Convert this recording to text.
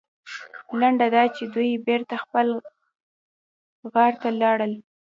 لنډه دا چې دوی بېرته خپل غار ته لاړل.